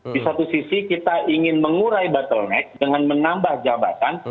di satu sisi kita ingin mengurai bottleneck dengan menambah jabatan